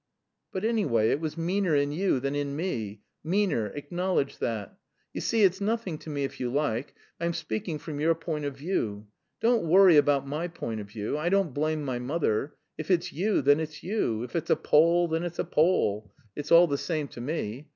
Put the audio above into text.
"But, anyway, it was meaner in you than in me, meaner, acknowledge that. You see, it's nothing to me if you like. I'm speaking from your point of view. Don't worry about my point of view. I don't blame my mother; if it's you, then it's you, if it's a Pole, then it's a Pole, it's all the same to me.